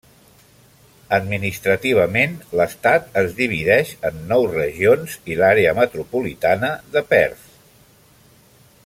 Administrativament, l'estat es divideix en nou regions i l'àrea metropolitana de Perth.